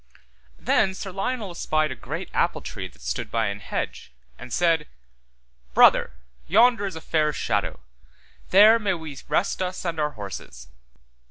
Then Sir Lionel espied a great apple tree that stood by an hedge, and said, Brother, yonder is a fair shadow, there may we rest us [and] our horses.